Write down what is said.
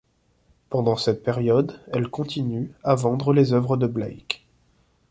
Pendant cette période, elle continue à vendre les œuvres de Blake.